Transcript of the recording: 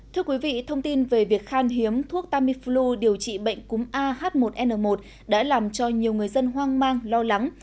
thưa quý vị thông tin về việc khan hiếm thuốc tamiflu điều trị bệnh cúng ah một n một đã làm cho nhiều người dân hoang mang lo lắng